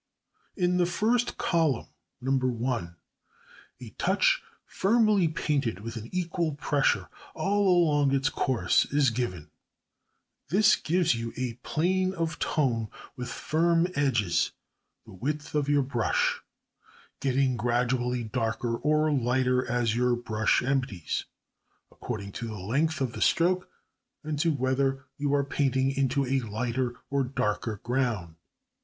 In the first column (No. 1), a touch firmly painted with an equal pressure all along its course is given. This gives you a plane of tone with firm edges the width of your brush, getting gradually darker or lighter as your brush empties, according to the length of the stroke and to whether you are painting into a lighter or darker ground.